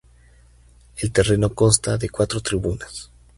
El terreno consta de cuatro tribunas.